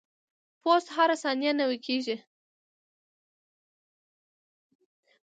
پوست هره ثانیه نوي کیږي.